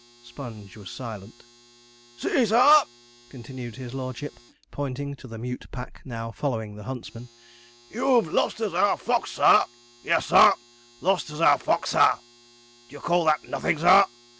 Sponge was silent. 'See, sir!' continued his lordship, pointing to the mute pack now following the huntsman, 'you've lost us our fox, sir yes, sir, lost us our fox, sir. D'ye call that nothin', sir?